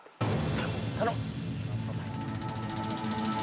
頼む！